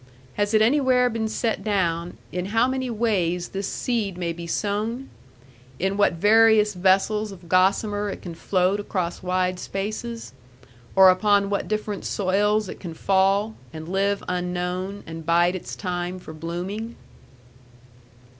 Has it anywhere been set down in how many ways this seed may be sown? In what various vessels of gossamer it can float across wide spaces? Or upon what different soils it can fall, and live unknown, and bide its time for blooming?